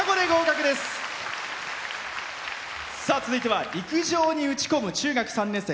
続いては陸上に打ち込む中学３年生。